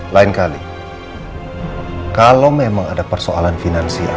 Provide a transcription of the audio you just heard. lain kali kalau memang ada persoalan finansial